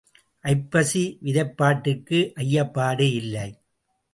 ஐப்பசி விதைப்பாட்டிற்கு ஐயப்பாடு இல்லை.